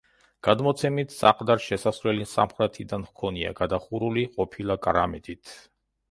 გადმოცემით საყდარს შესასვლელი სამხრეთიდან ჰქონია, გადახურული ყოფილა კრამიტით.